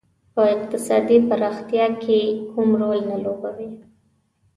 په اقتصادي پرمختیا کې کوم رول نه لوبوي.